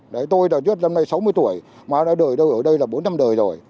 đấy tôi là trước năm nay sáu mươi tuổi mà ở đây là bốn năm đời rồi